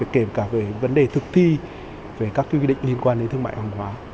kể cả về vấn đề thực thi về các quy định liên quan đến thương mại hàng hóa